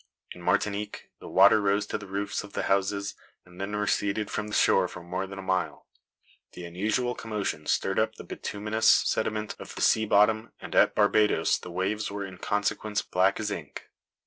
In Martinique the water rose to the roofs of the houses, and then receded from the shore for more than a mile. The unusual commotion stirred up the bituminous sediment of the sea bottom, and at Barbadoes the waves were in consequence black as ink.